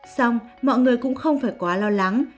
xong mọi người cũng không phải quá lo lắng